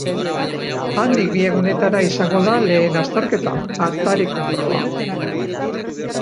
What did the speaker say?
Handik bi egunetara izango da lehen azterketa, atariko proba.